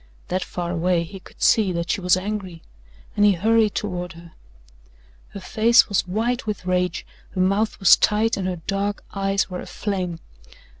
That far away he could see that she was angry and he hurried toward her. Her face was white with rage, her mouth was tight and her dark eyes were aflame.